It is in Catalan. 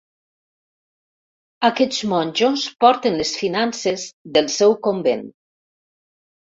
Aquests monjos porten les finances del seu convent.